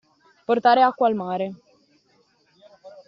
Portare acqua al mare.